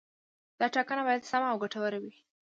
دا ټاکنه باید سمه او ګټوره وي.